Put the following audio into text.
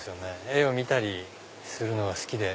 絵を見たりするのが好きで。